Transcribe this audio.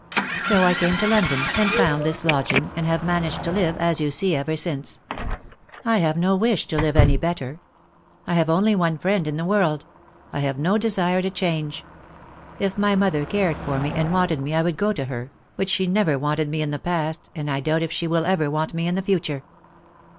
So I came to London, and found this lodging, and have managed to live — as you see — ever since. I have no wish to live any better. I have only one friend in the world. I have no desire to change. If my mother cared for me and wanted me I would go to her — but she never wanted me in the past, and I doubt if she will ever want me in the future."